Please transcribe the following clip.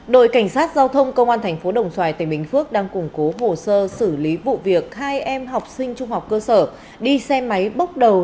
đội cảnh sát giao thông công an thành phố đồng xoài tỉnh bình phước đang củng cố hồ sơ xử lý vụ việc hai em học sinh trung học cơ sở đi xe máy bốc đầu